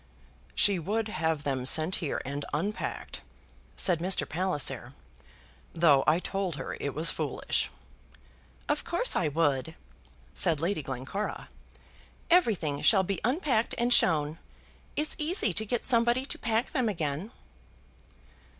"She would have them sent here and unpacked," said Mr. Palliser, "though I told her it was foolish." "Of course I would," said Lady Glencora. "Everything shall be unpacked and shown. It's easy to get somebody to pack them again."